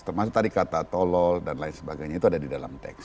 termasuk tadi kata tolol dan lain sebagainya itu ada di dalam teks